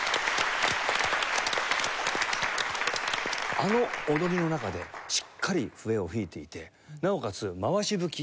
あの踊りの中でしっかり笛を吹いていてなおかつ回し吹き。